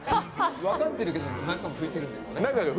分かってるけど、何回も拭いてるんですよね。